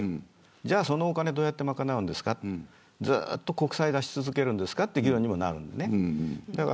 では、そのお金をどう賄うんですかってなってずっと国債を出し続けるんですかという議論にもなるんですね。